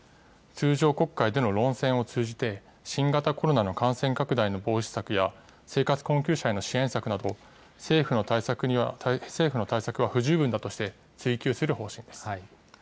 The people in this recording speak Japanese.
通常国会での論戦を通じて新型コロナの感染拡大の防止策や、生活困窮者への支援策など、政府の対策は不十分だとして、追及する方針です。